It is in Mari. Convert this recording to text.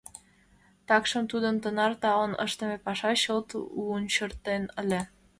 Такшым тудым тынар талын ыштыме паша чылт лунчыртен ыле.